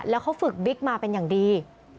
แล้วเขาฝึกบิ๊กมาเป็นอย่างดี